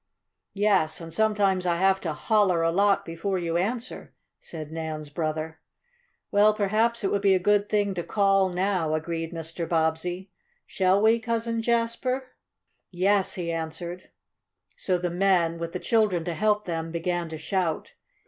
"Yes, and sometimes I have to 'holler' a lot before you answer," said Nan's brother. "Well, perhaps it would be a good thing to call now," agreed Mr. Bobbsey. "Shall we, Cousin Jasper?" "Yes," he answered. So the men, with the children to help them, began to shout.